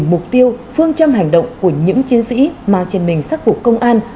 mục tiêu phương trăm hành động của những chiến sĩ mang trên mình sắc phục công an